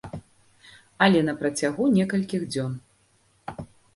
Але на працягу некалькіх дзён.